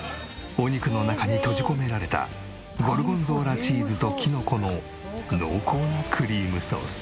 お肉の中に閉じ込められたゴルゴンゾーラチーズときのこの濃厚なクリームソース。